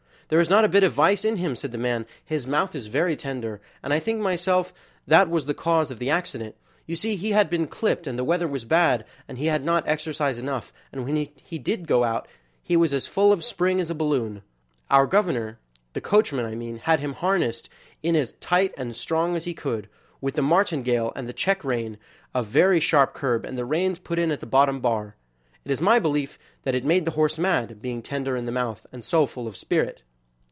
"There is not a bit of vice in him," said the man; "his mouth is very tender, and I think myself that was the cause of the accident; you see he had just been clipped, and the weather was bad, and he had not had exercise enough, and when he did go out he was as full of spring as a balloon. Our governor (the coachman, I mean) had him harnessed in as tight and strong as he could, with the martingale, and the check rein, a very sharp curb, and the reins put in at the bottom bar. It is my belief that it made the horse mad, being tender in the mouth and so full of spirit."